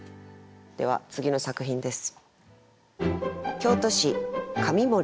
では次の作品です。